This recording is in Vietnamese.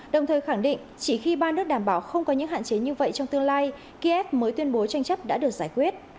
đồng thời khẳng định chỉ khi ba nước đảm bảo không có những hạn chế như vậy trong tương lai kiev mới tuyên bố tranh chấp đã được giải quyết